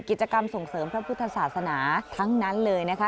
กิจกรรมส่งเสริมพระพุทธศาสนาทั้งนั้นเลยนะคะ